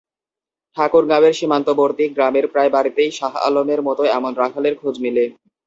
ঠাকুরগাঁওয়ের সীমান্তবর্তী গ্রামের প্রায় বাড়িতেই শাহ আলমের মতো এমন রাখালের খোঁজ মেলে।